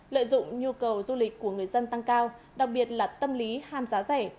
lợi dụng nhu cầu du lịch của người dân tăng cao đặc biệt là tâm lý ham giá rẻ